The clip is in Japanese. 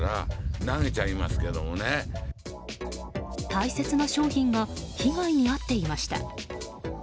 大切な商品が被害に遭っていました。